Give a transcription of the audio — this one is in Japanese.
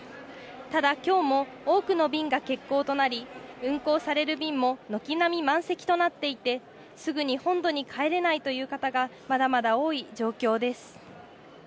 ただ、きょうも多くの便が欠航となり、運航される便も軒並み満席となっていて、すぐに本土に帰れないという方がまだまだ多い状況です。